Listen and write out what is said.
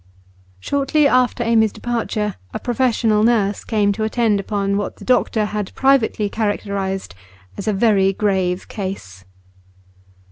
Shortly after Amy's departure, a professional nurse came to attend upon what the doctor had privately characterised as a very grave case.